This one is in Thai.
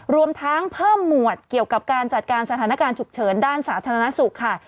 รวมทั้งเพิ่มหมวดเกี่ยวกับการจัดการสถานการณ์ฉุกเฉินด้านสาธารณสุขค่ะ